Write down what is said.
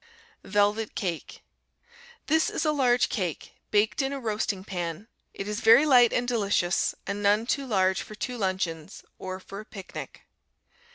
Velvet Cake This is a large cake, baked in a roasting pan; it is very light and delicious, and none too large for two luncheons, or for a picnic.